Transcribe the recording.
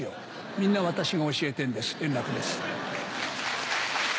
みんな私が教えてるんです円楽です。